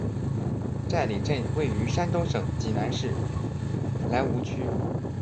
寨里镇位于山东省济南市莱芜区。